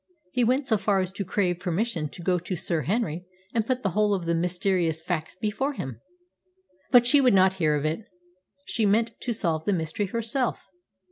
He went so far as to crave permission to go to Sir Henry and put the whole of the mysterious facts before him. But she would not hear of it. She meant to solve the mystery herself.